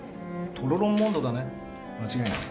「トロロン・モンド」だね間違いない。